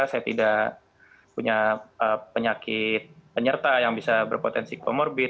saya tidak punya penyakit penyerta yang bisa berpotensi komorbid